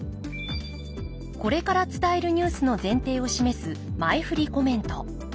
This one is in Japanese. これから伝えるニュースの前提を示す前振りコメント。